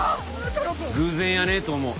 偶然やねえと思う。